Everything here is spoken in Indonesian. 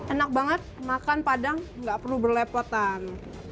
enak banget makan padang nggak perlu berlepotan